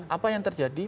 apa yang terjadi